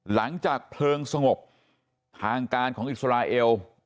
หลังจากเพลิงสงบทางการของอิสราเอล